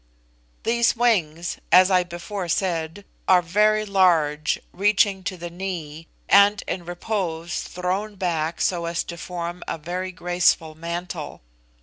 These wings, as I before said, are very large, reaching to the knee, and in repose thrown back so as to form a very graceful mantle.